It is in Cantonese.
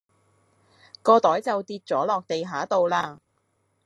個袋就跌左落地下度啦